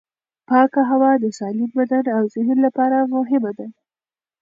پاکه هوا د سالم بدن او ذهن لپاره مهمه ده.